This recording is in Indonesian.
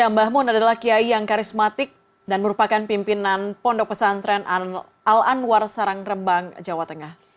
mbah mun adalah kiai yang karismatik dan merupakan pimpinan pondok pesantren al anwar sarang rembang jawa tengah